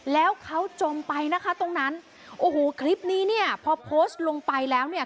แล้วเขาจมไปนะคะตรงนั้นโอ้โหคลิปนี้เนี่ยพอโพสต์ลงไปแล้วเนี่ย